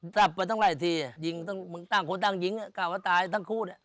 สราปไปตั้งไหนทีตั้งคนตั้งหญิงกล้าว่าตายทั้งคู่